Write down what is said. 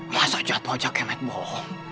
masa jatuh aja kemet bohong